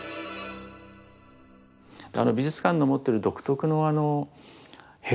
美術館の持ってる独特のあの閉鎖性。